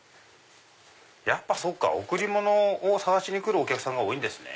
やっぱ贈り物を探しにくるお客さんが多いんですね。